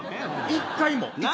１回も。